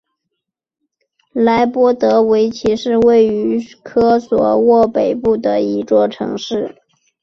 莱波萨维奇是位于科索沃北部的一座城市。